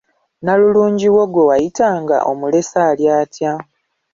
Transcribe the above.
Nalulungi wo gwe wayitanga omulesse ali atya?